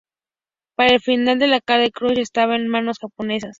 Para el final de la tarde, Kuching estaba en manos japonesas.